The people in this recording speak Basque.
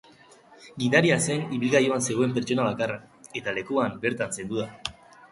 Gidaria zen ibilgailuan zegoen pertsona bakarra, eta lekuan bertan zendu da.